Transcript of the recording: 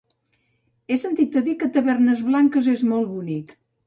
He sentit a dir que Tavernes Blanques és molt bonic.